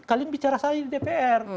kalian bicara saya di dpr